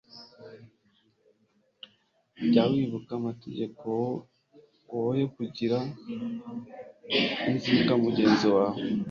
jya wibuka amategeko, woye kugirira inzika mugenzi wawe